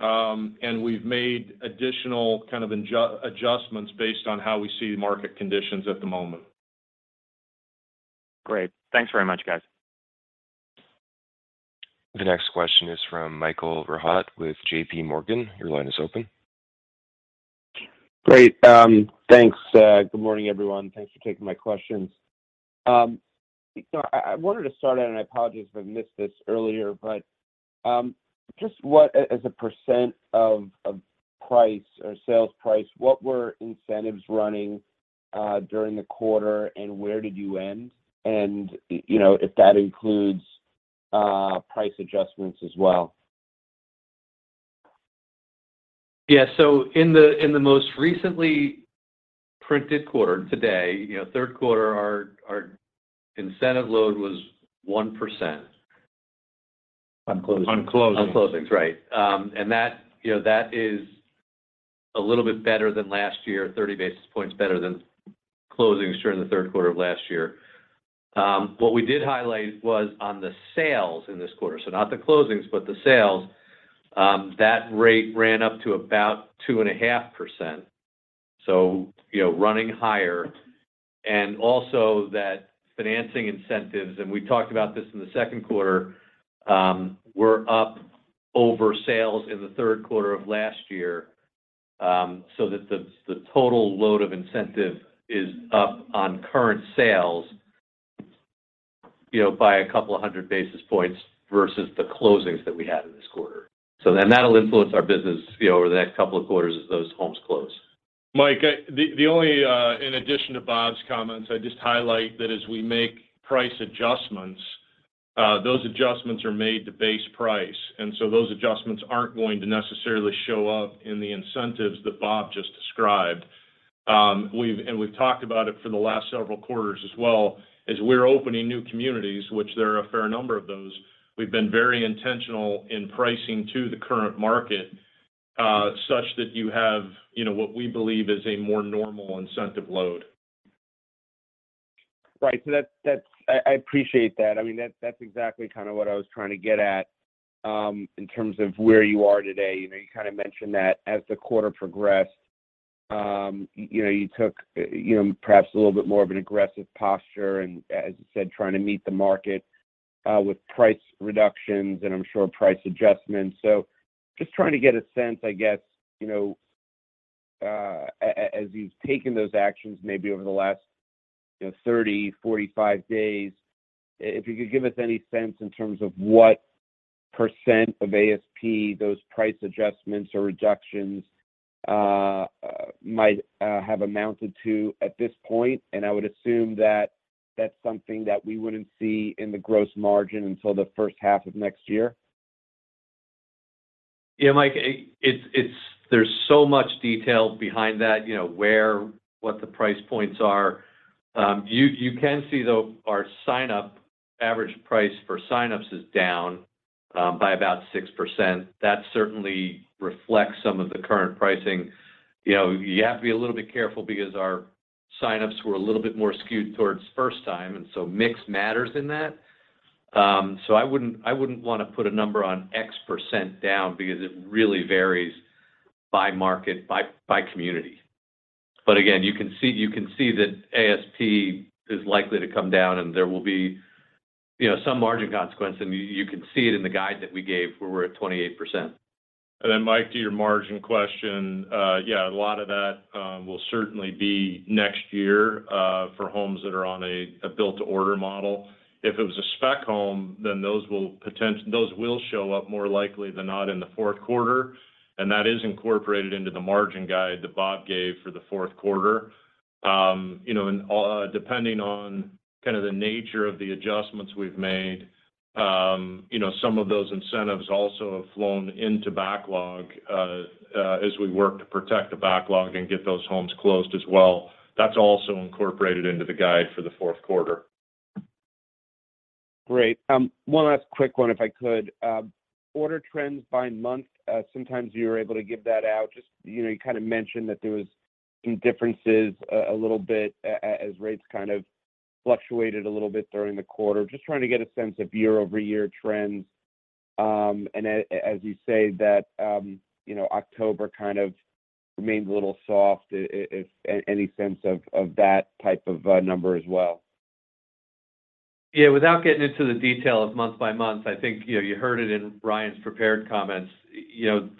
and we've made additional kind of adjustments based on how we see the market conditions at the moment. Great. Thanks very much, guys. The next question is from Michael Rehaut with JPMorgan. Your line is open. Great. Thanks. Good morning, everyone. Thanks for taking my questions. So I wanted to start out, and I apologize if I missed this earlier, but just what was, as a percentage of price or sales price, what were incentives running during the quarter, and where did you end? You know, if that includes price adjustments as well. Yeah. In the most recently printed quarter today, you know, third quarter, our incentive load was 1%. On closings. On closings, right. That, you know, that is a little bit better than last year, 30 basis points better than closings during the third quarter of last year. What we did highlight was on the sales in this quarter, so not the closings, but the sales, that rate ran up to about 2.5%, so, you know, running higher. Also that financing incentives, and we talked about this in the second quarter, were up over sales in the third quarter of last year, so that the total load of incentive is up on current sales, you know, by a couple of hundred basis points versus the closings that we had in this quarter. That'll influence our business, you know, over the next couple of quarters as those homes close. Mike, the only in addition to Bob's comments, I just highlight that as we make price adjustments, those adjustments are made to base price, and so those adjustments aren't going to necessarily show up in the incentives that Bob just described. We've talked about it for the last several quarters as well. As we're opening new communities, which there are a fair number of those, we've been very intentional in pricing to the current market, such that you have, you know, what we believe is a more normal incentive load. Right. That's. I appreciate that. I mean, that's exactly kind of what I was trying to get at in terms of where you are today. You know, you kind of mentioned that as the quarter progressed, you know, you took, you know, perhaps a little bit more of an aggressive posture and as you said, trying to meet the market with price reductions and I'm sure price adjustments. Just trying to get a sense, I guess, you know, as you've taken those actions maybe over the last, you know, 30, 45 days, if you could give us any sense in terms of what percent of ASP those price adjustments or reductions might have amounted to at this point. I would assume that that's something that we wouldn't see in the gross margin until the first half of next year. Yeah, Mike, it's. There's so much detail behind that, you know, where what the price points are. You can see, though, our sign-up average price for sign-ups is down by about 6%. That certainly reflects some of the current pricing. You know, you have to be a little bit careful because our sign-ups were a little bit more skewed towards first time, and so mix matters in that. I wouldn't wanna put a number on X% down because it really varies by market, by community. Again, you can see that ASP is likely to come down, and there will be, you know, some margin consequence, and you can see it in the guide that we gave where we're at 28%. Then Mike, to your margin question, yeah, a lot of that will certainly be next year, for homes that are on a build to order model. If it was a spec home, those will show up more likely than not in the fourth quarter, and that is incorporated into the margin guide that Bob gave for the fourth quarter. You know, depending on kind of the nature of the adjustments we've made, you know, some of those incentives also have flown into backlog, as we work to protect the backlog and get those homes closed as well. That's also incorporated into the guide for the fourth quarter. Great. One last quick one, if I could. Order trends by month, sometimes you're able to give that out. Just, you know, you kinda mentioned that there was some differences a little bit as rates kind of fluctuated a little bit during the quarter. Just trying to get a sense of year-over-year trends, and as you say that, you know, October kind of remained a little soft, any sense of that type of number as well. Yeah. Without getting into the detail of month by month, I think, you know, you heard it in Ryan's prepared comments. You know,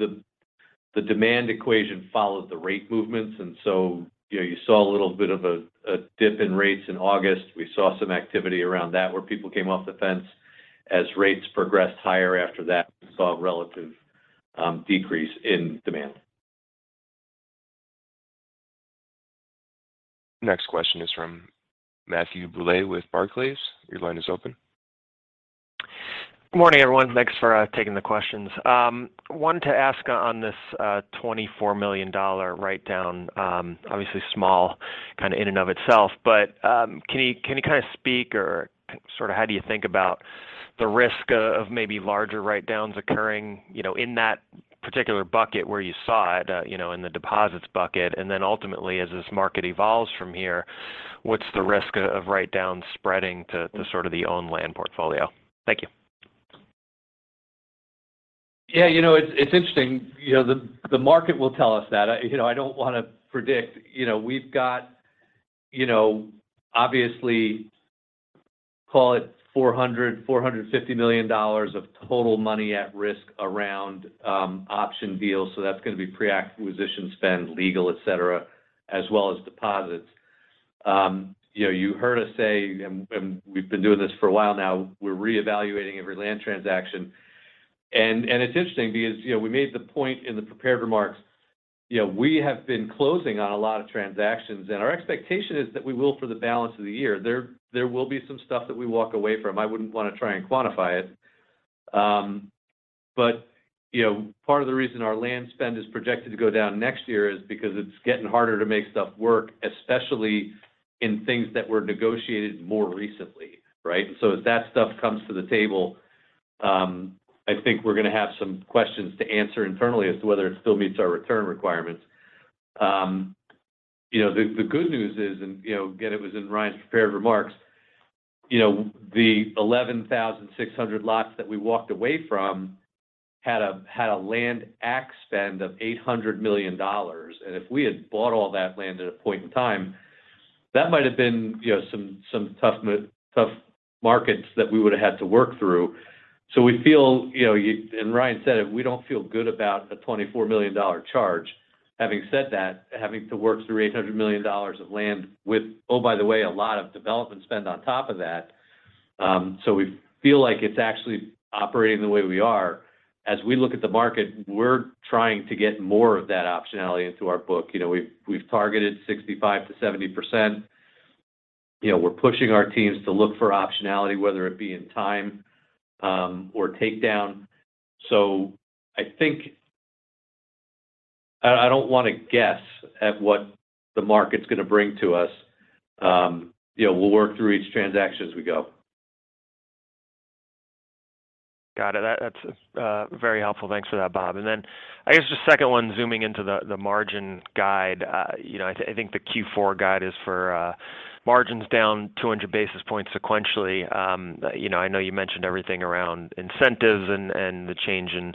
the demand equation followed the rate movements, and so, you know, you saw a little bit of a dip in rates in August. We saw some activity around that where people came off the fence. As rates progressed higher after that, we saw a relative decrease in demand. Next question is from Matthew Bouley with Barclays. Your line is open. Good morning, everyone. Thanks for taking the questions. Wanted to ask on this $24 million write-down, obviously small kinda in and of itself, but can you kinda speak or sorta how do you think about the risk of maybe larger write-downs occurring, you know, in that particular bucket where you saw it, you know, in the deposits bucket? Then ultimately, as this market evolves from here, what's the risk of write-downs spreading to sort of the owned land portfolio? Thank you. Yeah. You know, it's interesting. You know, the market will tell us that. You know, I don't wanna predict. You know, we've got, you know, obviously call it $400 million-$450 million of total money at risk around option deals. So that's gonna be pre-acquisition spend, legal, et cetera, as well as deposits. You know, you heard us say, and we've been doing this for a while now, we're reevaluating every land transaction. It's interesting because, you know, we made the point in the prepared remarks. You know, we have been closing on a lot of transactions, and our expectation is that we will for the balance of the year. There will be some stuff that we walk away from. I wouldn't wanna try and quantify it. You know, part of the reason our land spend is projected to go down next year is because it's getting harder to make stuff work, especially in things that were negotiated more recently, right? As that stuff comes to the table, I think we're gonna have some questions to answer internally as to whether it still meets our return requirements. You know, the good news is, you know, again, it was in Ryan's prepared remarks. You know, the 11,600 lots that we walked away from had a land cap spend of $800 million. If we had bought all that land at a point in time, that might have been, you know, some tough markets that we would've had to work through. We feel, you know, and Ryan said it, we don't feel good about a $24 million charge. Having said that, having to work through $800 million of land with, oh, by the way, a lot of development spend on top of that. We feel like it's actually operating the way we are. As we look at the market, we're trying to get more of that optionality into our book. You know, we've targeted 65%-70%. You know, we're pushing our teams to look for optionality, whether it be in time or takedown. I think I don't wanna guess at what the market's gonna bring to us. You know, we'll work through each transaction as we go. Got it. That's very helpful. Thanks for that, Bob. Then I guess the second one zooming into the margin guide. You know, I think the Q4 guide is for margins down 200 basis points sequentially. You know, I know you mentioned everything around incentives and the change in,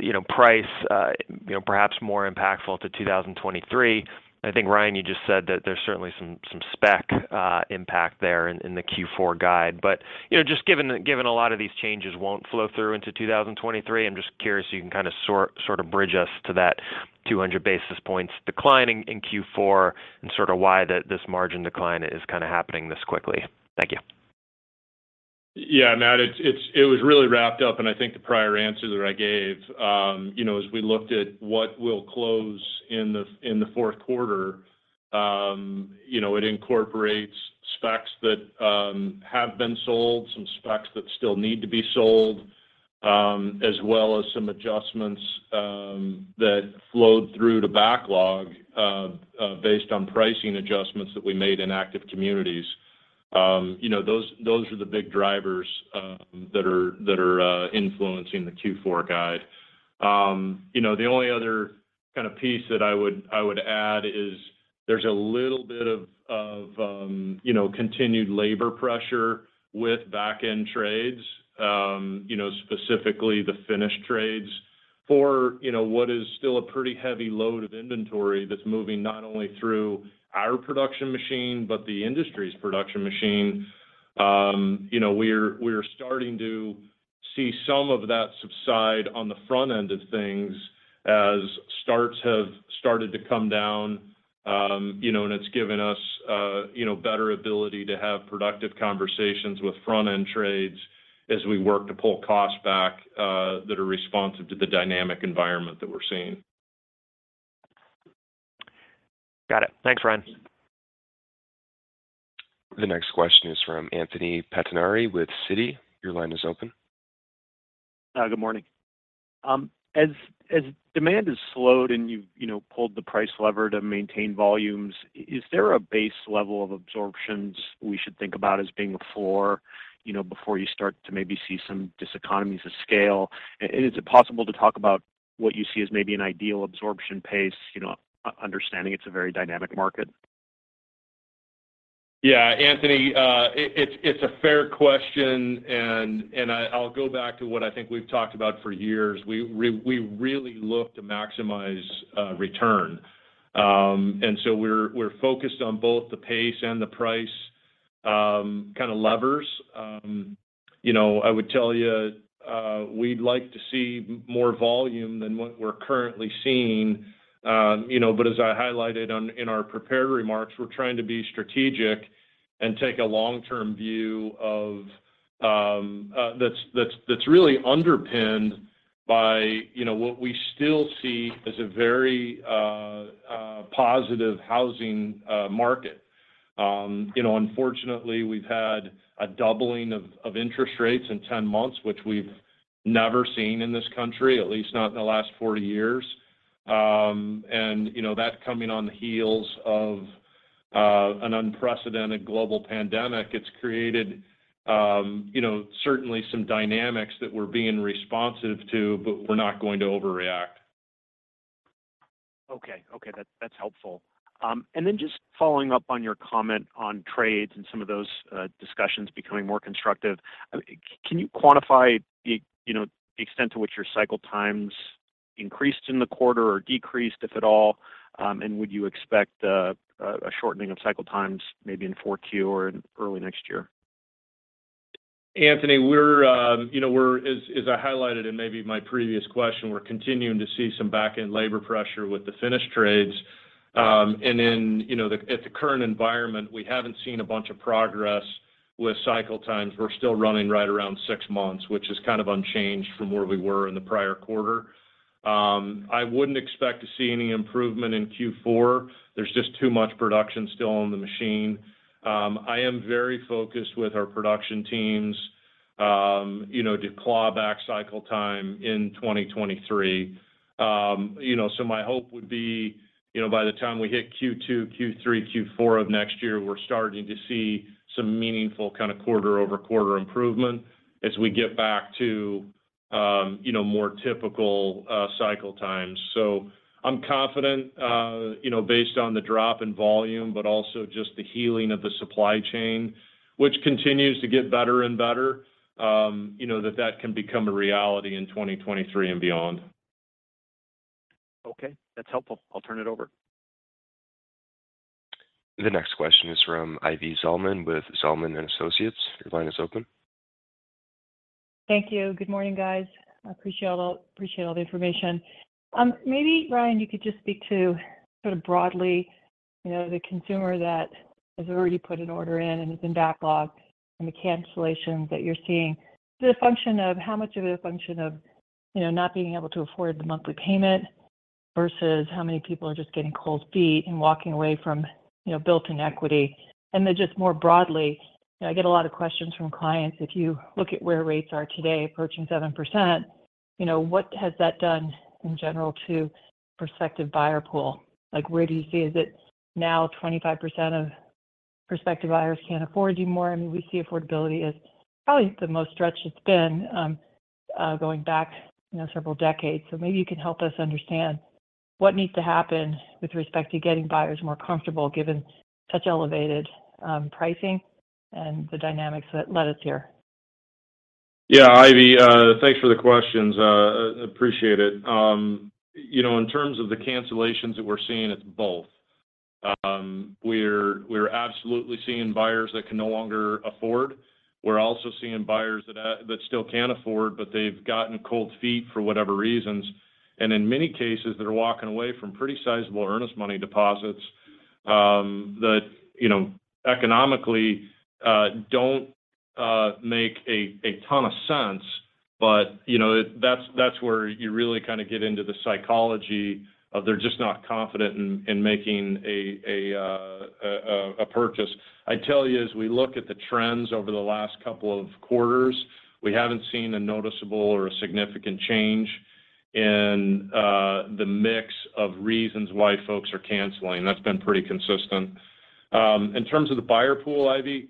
you know, price, you know, perhaps more impactful to 2023. I think, Ryan, you just said that there's certainly some spec impact there in the Q4 guide. You know, just given that a lot of these changes won't flow through into 2023, I'm just curious so you can sort of bridge us to that 200 basis points declining in Q4 and sort of why this margin decline is kinda happening this quickly. Thank you. Yeah. Matt, it was really wrapped up, and I think the prior answer that I gave, you know, as we looked at what will close in the fourth quarter, you know, it incorporates specs that have been sold, some specs that still need to be sold, as well as some adjustments that flowed through to backlog based on pricing adjustments that we made in active communities. You know, those are the big drivers that are influencing the Q4 guide. You know, the only other kind of piece that I would add is there's a little bit of, you know, continued labor pressure with back-end trades, you know, specifically the finished trades for, you know, what is still a pretty heavy load of inventory that's moving not only through our production machine but the industry's production machine. You know, we're starting to see some of that subside on the front end of things as starts have started to come down, you know, and it's given us, you know, better ability to have productive conversations with front-end trades as we work to pull costs back, that are responsive to the dynamic environment that we're seeing. Got it. Thanks, Ryan. The next question is from Anthony Pettinari with Citi. Your line is open. Good morning. As demand has slowed and you've, you know, pulled the price lever to maintain volumes, is there a base level of absorptions we should think about as being a floor, you know, before you start to maybe see some diseconomies of scale? And is it possible to talk about what you see as maybe an ideal absorption pace, you know, understanding it's a very dynamic market? Yeah, Anthony, it's a fair question, and I'll go back to what I think we've talked about for years. We really look to maximize return. We're focused on both the pace and the price kind of levers. You know, I would tell you, we'd like to see more volume than what we're currently seeing. You know, as I highlighted in our prepared remarks, we're trying to be strategic and take a long-term view of, that's really underpinned by, you know, what we still see as a very positive housing market. You know, unfortunately, we've had a doubling of interest rates in 10 months, which we've never seen in this country, at least not in the last 40 years. You know, that coming on the heels of an unprecedented global pandemic, it's created you know, certainly some dynamics that we're being responsive to, but we're not going to overreact. Okay, that's helpful. Just following up on your comment on trades and some of those discussions becoming more constructive, can you quantify the you know the extent to which your cycle times increased in the quarter or decreased, if at all? Would you expect a shortening of cycle times maybe in Q4 or in early next year? Anthony, we're... As I highlighted in maybe my previous question, we're continuing to see some back-end labor pressure with the finished trades. At the current environment, we haven't seen a bunch of progress with cycle times. We're still running right around six months, which is kind of unchanged from where we were in the prior quarter. I wouldn't expect to see any improvement in Q4. There's just too much production still on the machine. I am very focused with our production teams to claw back cycle time in 2023. My hope would be, by the time we hit Q2, Q3, Q4 of next year, we're starting to see some meaningful kind of quarter-over-quarter improvement as we get back to more typical cycle times. I'm confident, you know, based on the drop in volume, but also just the healing of the supply chain, which continues to get better and better, you know, that can become a reality in 2023 and beyond. Okay, that's helpful. I'll turn it over. The next question is from Ivy Zelman with Zelman & Associates. Your line is open. Thank you. Good morning, guys. I appreciate all the information. Maybe, Ryan, you could just speak to sort of broadly, you know, the consumer that has already put an order in and has been backlogged and the cancellations that you're seeing. To the function of how much of it a function of, you know, not being able to afford the monthly payment versus how many people are just getting cold feet and walking away from, you know, built-in equity. Just more broadly, I get a lot of questions from clients. If you look at where rates are today, approaching 7%, you know, what has that done in general to prospective buyer pool? Like, where do you see? Is it now 25% of prospective buyers can't afford it anymore? I mean, we see affordability as probably the most stretched it's been, going back, you know, several decades. Maybe you can help us understand what needs to happen with respect to getting buyers more comfortable, given such elevated pricing and the dynamics that led us here. Yeah, Ivy, thanks for the questions. Appreciate it. You know, in terms of the cancellations that we're seeing, it's both. We're absolutely seeing buyers that can no longer afford. We're also seeing buyers that still can afford, but they've gotten cold feet for whatever reasons. In many cases, they're walking away from pretty sizable earnest money deposits that you know, economically, don't make a ton of sense. You know, that's where you really kind of get into the psychology of they're just not confident in making a purchase. I tell you, as we look at the trends over the last couple of quarters, we haven't seen a noticeable or a significant change in the mix of reasons why folks are canceling. That's been pretty consistent. In terms of the buyer pool, Ivy,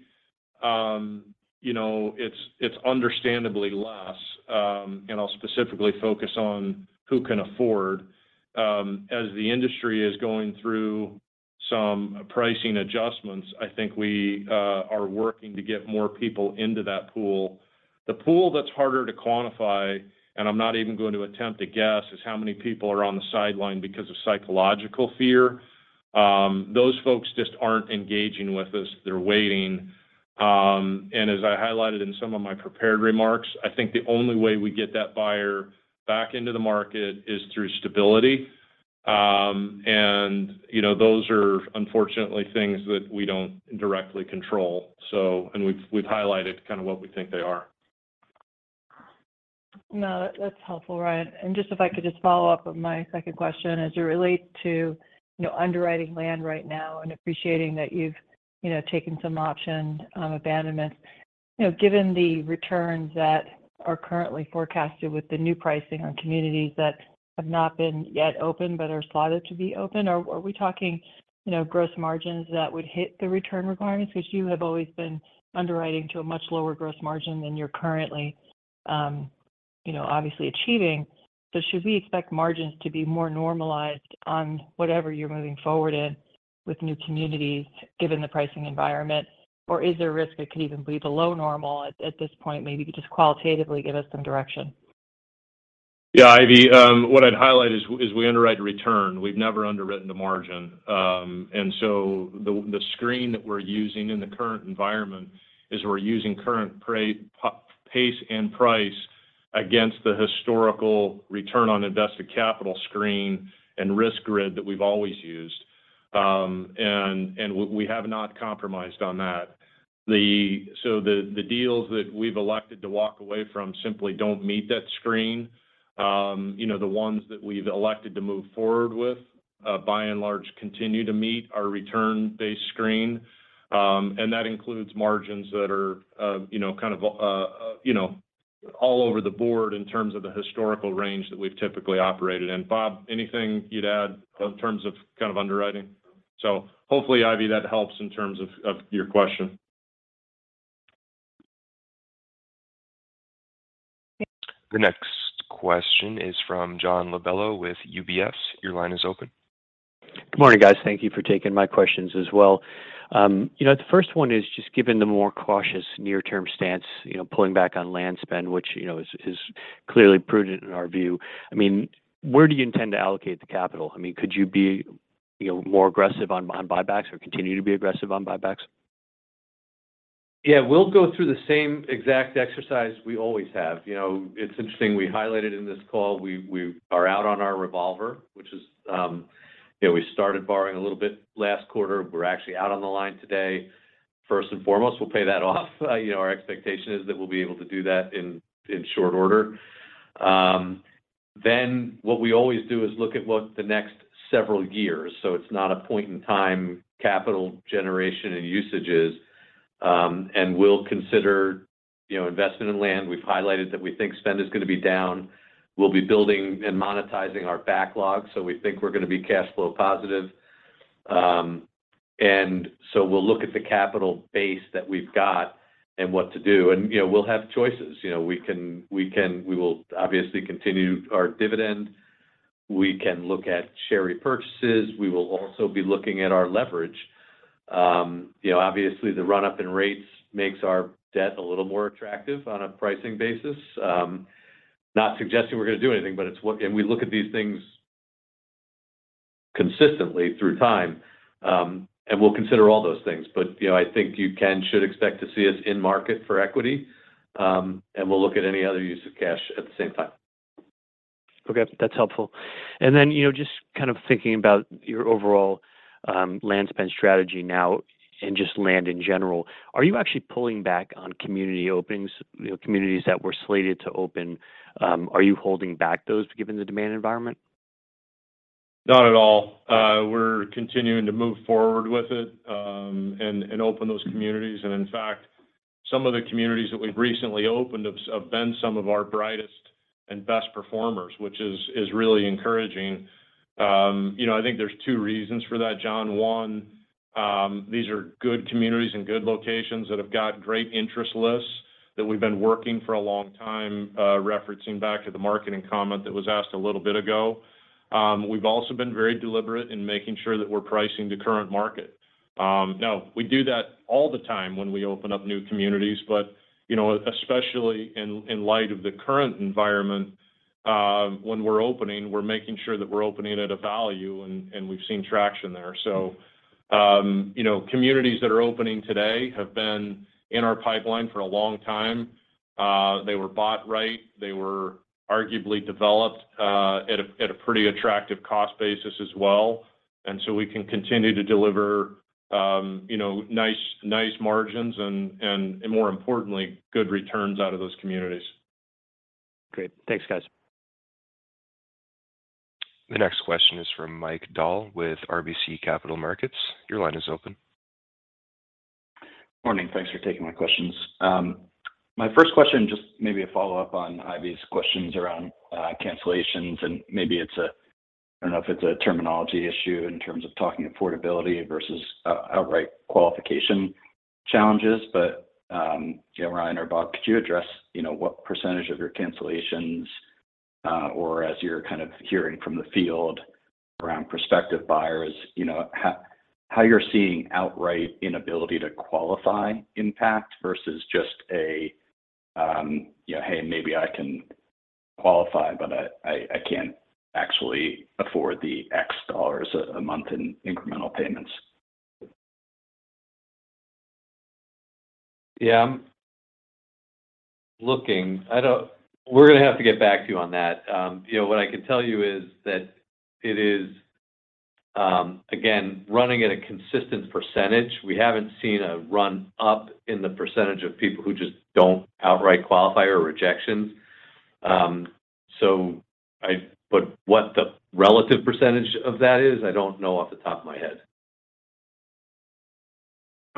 you know, it's understandably less, and I'll specifically focus on who can afford. As the industry is going through some pricing adjustments, I think we are working to get more people into that pool. The pool that's harder to quantify, and I'm not even going to attempt to guess, is how many people are on the sideline because of psychological fear. Those folks just aren't engaging with us. They're waiting. As I highlighted in some of my prepared remarks, I think the only way we get that buyer back into the market is through stability. You know, those are unfortunately things that we don't directly control, so we've highlighted kind of what we think they are. No, that's helpful, Ryan. Just if I could just follow up with my second question. As it relates to, you know, underwriting land right now and appreciating that you've, you know, taken some option, abandonments. You know, given the returns that are currently forecasted with the new pricing on communities that have not been yet open but are slotted to be open, are we talking, you know, gross margins that would hit the return requirements? Because you have always been underwriting to a much lower gross margin than you're currently, you know, obviously achieving. Should we expect margins to be more normalized on whatever you're moving forward in with new communities given the pricing environment? Or is there a risk it could even be below normal at this point? Maybe if you just qualitatively give us some direction. Yeah, Ivy, what I'd highlight is we underwrite return. We've never underwritten to margin. The screen that we're using in the current environment is we're using current pace and price against the historical return on invested capital screen and risk grid that we've always used. We have not compromised on that. The deals that we've elected to walk away from simply don't meet that screen. You know, the ones that we've elected to move forward with, by and large continue to meet our return-based screen. That includes margins that are, you know, kind of, you know, all over the board in terms of the historical range that we've typically operated in. Bob, anything you'd add in terms of kind of underwriting? Hopefully, Ivy, that helps in terms of your question. Yeah. The next question is from John Lovallo with UBS. Your line is open. Good morning, guys. Thank you for taking my questions as well. You know, the first one is just given the more cautious near-term stance, you know, pulling back on land spend, which, you know, is clearly prudent in our view. I mean, where do you intend to allocate the capital? I mean, could you be, you know, more aggressive on buybacks or continue to be aggressive on buybacks? Yeah, we'll go through the same exact exercise we always have. You know, it's interesting, we highlighted in this call, we are out on our revolver, which is, you know, we started borrowing a little bit last quarter. We're actually out on the line today. First and foremost, we'll pay that off. You know, our expectation is that we'll be able to do that in short order. What we always do is look at what the next several years, so it's not a point in time capital generation and usages. We'll consider, you know, investment in land. We've highlighted that we think spend is gonna be down. We'll be building and monetizing our backlog, so we think we're gonna be cash flow positive. We'll look at the capital base that we've got and what to do. You know, we'll have choices. You know, we can. We will obviously continue our dividend. We can look at share repurchases. We will also be looking at our leverage. You know, obviously, the run-up in rates makes our debt a little more attractive on a pricing basis. Not suggesting we're gonna do anything, but it's. We look at these things consistently through time. We'll consider all those things. You know, I think you should expect to see us in market for equity, and we'll look at any other use of cash at the same time. Okay. That's helpful. You know, just kind of thinking about your overall land spend strategy now and just land in general. Are you actually pulling back on community openings, you know, communities that were slated to open, are you holding back those given the demand environment? Not at all. We're continuing to move forward with it, and open those communities. In fact, some of the communities that we've recently opened have been some of our brightest and best performers, which is really encouraging. You know, I think there's two reasons for that, John. One, these are good communities and good locations that have got great interest lists that we've been working for a long time, referencing back to the marketing comment that was asked a little bit ago. We've also been very deliberate in making sure that we're pricing the current market. Now, we do that all the time when we open up new communities. You know, especially in light of the current environment, when we're opening, we're making sure that we're opening at a value, and we've seen traction there. You know, communities that are opening today have been in our pipeline for a long time. They were bought right. They were arguably developed at a pretty attractive cost basis as well. We can continue to deliver you know, nice margins and more importantly, good returns out of those communities. Great. Thanks, guys. The next question is from Mike Dahl with RBC Capital Markets. Your line is open. Morning. Thanks for taking my questions. My first question, just maybe a follow-up on Ivy's questions around cancellations, and maybe it's I don't know if it's a terminology issue in terms of talking affordability versus outright qualification challenges. Yeah, Ryan or Bob, could you address, you know, what percentage of your cancellations, or as you're kind of hearing from the field around prospective buyers, you know, how you're seeing outright inability to qualify impact versus just a, you know, "Hey, maybe I can qualify, but I can't actually afford the X dollars a month in incremental payments? Yeah. I'm looking. We're gonna have to get back to you on that. You know, what I can tell you is that it is, again, running at a consistent percentage. We haven't seen a run up in the percentage of people who just don't outright qualify or rejections. What the relative percentage of that is, I don't know off the top of my head.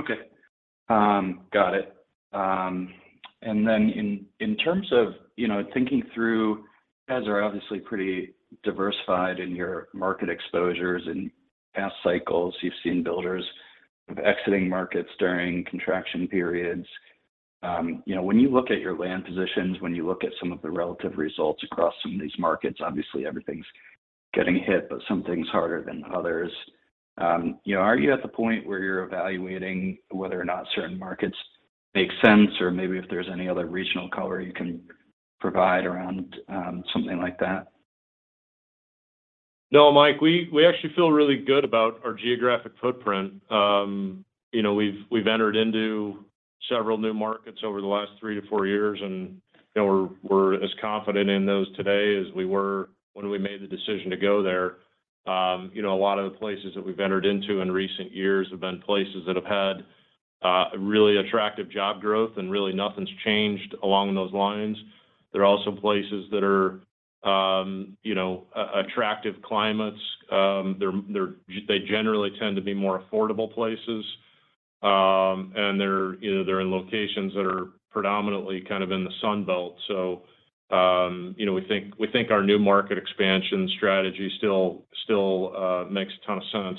Okay. Got it. In terms of, you know, thinking through, as you are obviously pretty diversified in your market exposures. In past cycles, you've seen builders exiting markets during contraction periods. You know, when you look at your land positions, when you look at some of the relative results across some of these markets, obviously everything's getting hit, but some things harder than others. You know, are you at the point where you're evaluating whether or not certain markets make sense, or maybe if there's any other regional color you can provide around something like that? No, Mike, we actually feel really good about our geographic footprint. You know, we've entered into several new markets over the last three to four years, and you know, we're as confident in those today as we were when we made the decision to go there. You know, a lot of the places that we've entered into in recent years have been places that have had really attractive job growth, and really nothing's changed along those lines. They're also places that are you know, attractive climates. They generally tend to be more affordable places. And they're you know, in locations that are predominantly kind of in the Sun Belt. You know, we think our new market expansion strategy still makes a ton of sense.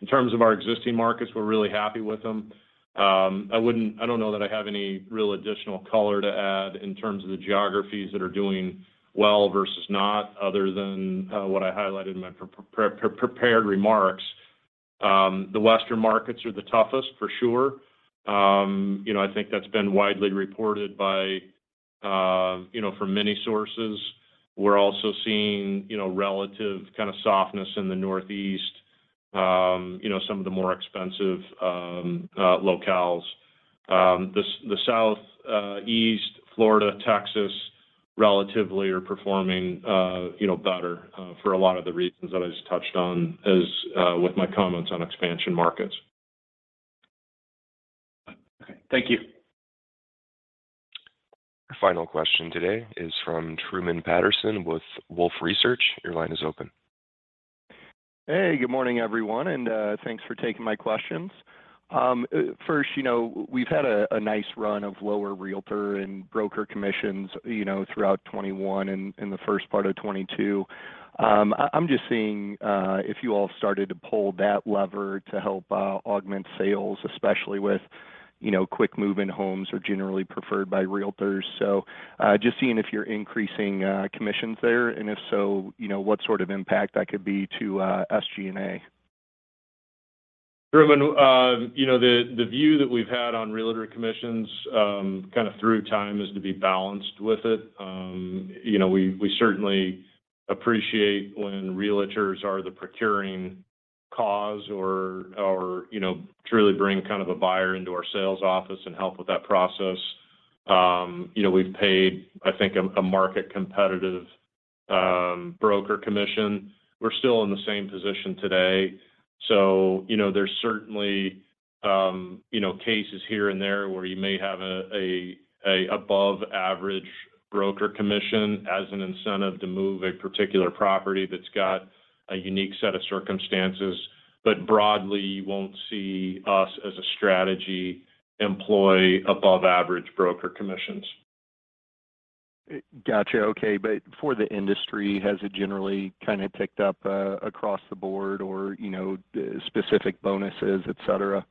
In terms of our existing markets, we're really happy with them. I don't know that I have any real additional color to add in terms of the geographies that are doing well versus not, other than what I highlighted in my prepared remarks. The Western markets are the toughest for sure. You know, I think that's been widely reported by, you know, from many sources. We're also seeing, you know, relative kind of softness in the Northeast, you know, some of the more expensive locales. The Southeast, Florida, Texas, relatively are performing, you know, better for a lot of the reasons that I just touched on as with my comments on expansion markets. Okay. Thank you. Our final question today is from Truman Patterson with Wolfe Research. Your line is open. Hey, good morning, everyone, and thanks for taking my questions. First, you know, we've had a nice run of lower realtor and broker commissions, you know, throughout 2021 and the first part of 2022. I'm just seeing if you all started to pull that lever to help augment sales, especially with, you know, quick move-in homes are generally preferred by realtors. Just seeing if you're increasing commissions there, and if so, you know, what sort of impact that could be to SG&A. Truman, you know, the view that we've had on realtor commissions, kind of through time is to be balanced with it. You know, we certainly appreciate when realtors are the procuring cause or, you know, truly bring kind of a buyer into our sales office and help with that process. You know, we've paid, I think, a market competitive broker commission. We're still in the same position today. You know, there's certainly, you know, cases here and there where you may have a above average broker commission as an incentive to move a particular property that's got a unique set of circumstances. Broadly, you won't see us as a strategy employ above average broker commissions. Gotcha. Okay. For the industry, has it generally kind of ticked up, across the board or, you know, specific bonuses, et cetera?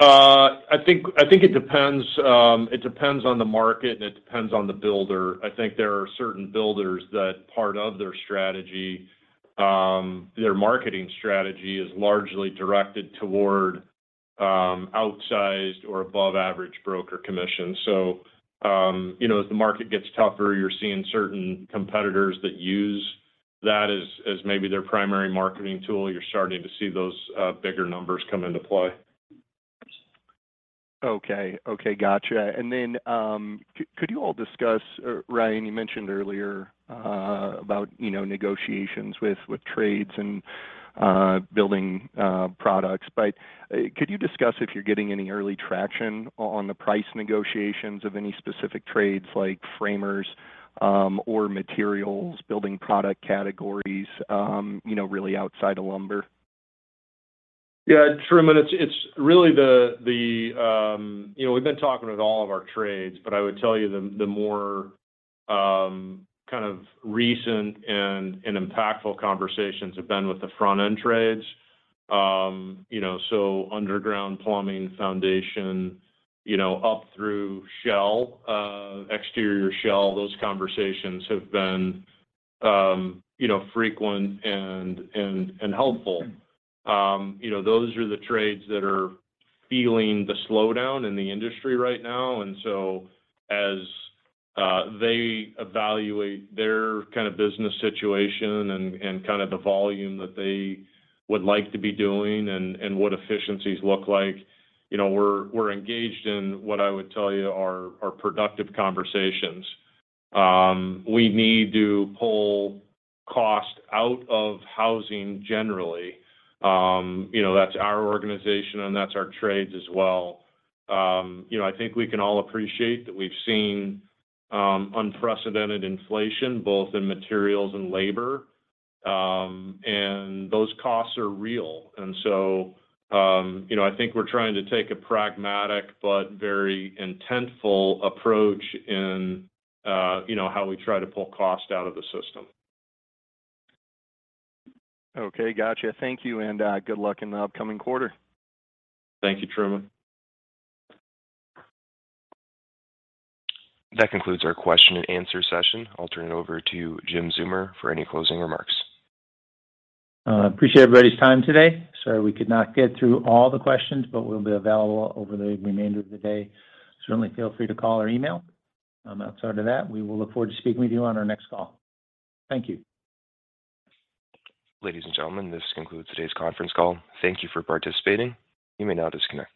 I think it depends on the market, and it depends on the builder. I think there are certain builders that part of their strategy, their marketing strategy is largely directed toward outsized or above average broker commissions. You know, as the market gets tougher, you're seeing certain competitors that use that as maybe their primary marketing tool. You're starting to see those bigger numbers come into play. Okay. Gotcha. Could you all discuss, Ryan, you mentioned earlier about, you know, negotiations with trades and building products. But could you discuss if you're getting any early traction on the price negotiations of any specific trades like framers, or materials, building product categories, you know, really outside of lumber? Yeah, Truman, it's really the. You know, we've been talking with all of our trades, but I would tell you the more kind of recent and impactful conversations have been with the front-end trades. You know, so underground plumbing foundation, you know, up through shell, exterior shell, those conversations have been, you know, frequent and helpful. You know, those are the trades that are feeling the slowdown in the industry right now. They evaluate their kind of business situation and kind of the volume that they would like to be doing and what efficiencies look like, you know, we're engaged in what I would tell you are productive conversations. We need to pull cost out of housing generally. You know, that's our organization, and that's our trades as well. You know, I think we can all appreciate that we've seen unprecedented inflation both in materials and labor, and those costs are real. You know, I think we're trying to take a pragmatic but very intentful approach in you know, how we try to pull costs out of the system. Okay. Gotcha. Thank you, and good luck in the upcoming quarter. Thank you, Truman. That concludes our question and answer session. I'll turn it over to Jim Zeumer for any closing remarks. Appreciate everybody's time today. Sorry we could not get through all the questions, but we'll be available over the remainder of the day. Certainly feel free to call or email. Outside of that, we will look forward to speaking with you on our next call. Thank you. Ladies and gentlemen, this concludes today's conference call. Thank you for participating. You may now disconnect.